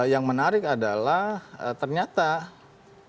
yang menarik adalah ternyata partai besar tidak menyebutnya